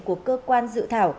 của cơ quan dự thảo